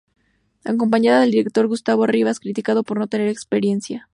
Acompaña al director Gustavo Arribas, criticado por no tener experiencia.